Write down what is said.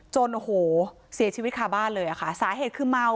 โอ้โหเสียชีวิตคาบ้านเลยอะค่ะสาเหตุคือเมา